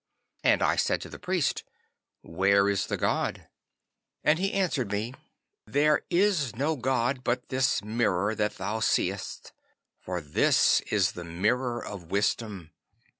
'And I said to the priest, "Where is the god?" 'And he answered me: "There is no god but this mirror that thou seest, for this is the Mirror of Wisdom.